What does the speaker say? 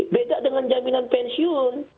beda dengan jaminan pensiun